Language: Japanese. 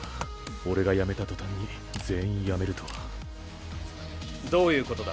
俺が辞めた途端に全員辞めるとはどういう事だ？